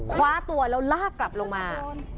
คว้าตัวแล้วลากกลับลงมา